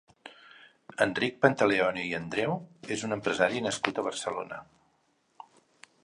Enric Pantaleoni i Andreu és un empresari nascut a Barcelona.